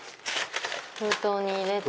封筒に入れて。